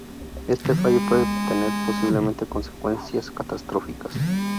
Este fallo puede tener posiblemente consecuencias catastróficas.